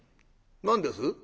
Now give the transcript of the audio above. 「何です？」。